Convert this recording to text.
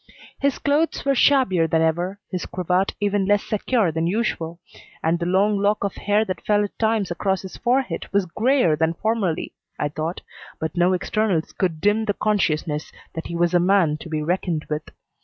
His clothes were shabbier than ever, his cravat even less secure than usual, and the long lock of hair that fell at times across his forehead was grayer than formerly, I thought, but no externals could dim the consciousness that he was a man to be reckoned with.